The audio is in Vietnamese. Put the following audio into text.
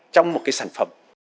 trong một cái sản phẩm